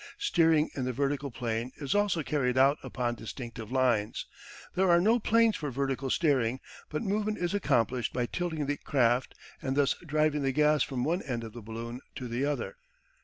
Steering in the vertical plane is also carried out upon distinctive lines. There are no planes for vertical steering, but movement is accomplished by tilting the craft and thus driving the gas from one end of the balloon to the other.